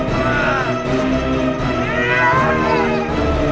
jangan ambil anakku